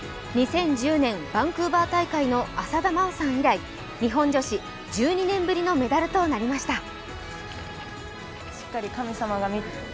２０１０年バンクーバー大会の浅田真央さん以来日本女子１２年ぶりのメダルとなりました。